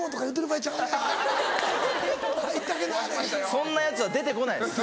そんなやつは出て来ないです